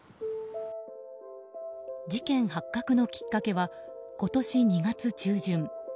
事件発覚のきっかけは今年２月中旬。